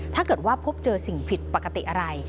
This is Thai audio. ถ้าเกิดว่าพบเจอสิ่งผิดปกติอะไร